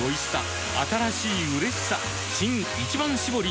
新「一番搾り」